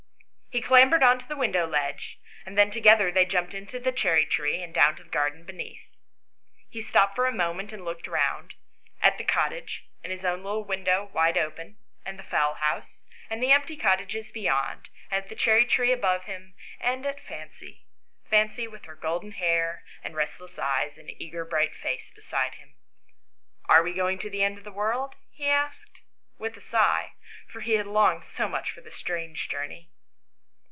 He clambered on to the window ledge, and then together they jumped into the cherry tree and down to the garden beneath. He stopped for a moment and looked round at the cottage, and his own little window wide open, and the fowl house, and the empty cottages beyond, and at the cherry tree above him, and at Fancy Fancy with her golden hair and restless eyes and eager bright face beside him. " Are we going to the end of the world ?" he asked with a sigh, for he had longed so much for this strange journey.